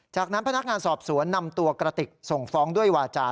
จากนั้นพนักงานสอบสวนนำตัวกระติกส่งฟ้องด้วยวาจา